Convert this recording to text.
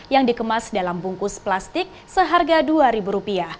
yang dikemas dalam bungkus plastik seharga rp dua